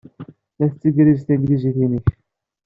La tettgerriz tanglizit-nnek.